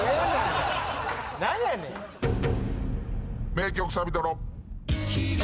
名曲サビトロ。